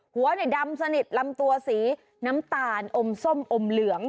หัวดำสนิทลำตัวสีน้ำตาลอมส้มอมเหลือง